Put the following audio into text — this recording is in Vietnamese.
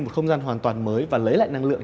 một không gian hoàn toàn mới và lấy lại năng lượng